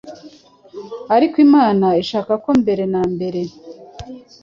ariko Imana ishaka ko mbere na mbere